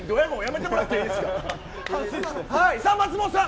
松本さん